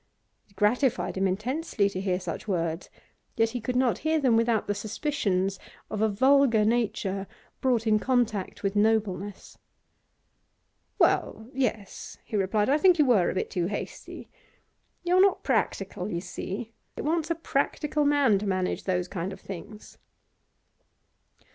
It gratified him intensely to hear such words, yet he could not hear them without the suspicions of a vulgar nature brought in contact with nobleness. 'Well, yes,' he replied, 'I think you were a bit too hasty: you're not practical, you see. It wants a practical man to manage those kind of things.